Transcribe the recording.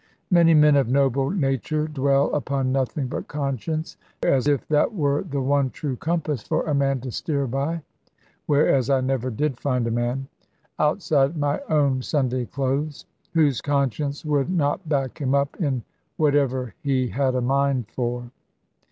Many men of noble nature dwell upon nothing but conscience; as if that were the one true compass for a man to steer by whereas I never did find a man outside my own Sunday clothes, whose conscience would not back him up in whatever he had a mind for.